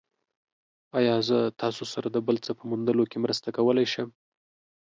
ایا زه تاسو سره د بل څه په موندلو کې مرسته کولی شم؟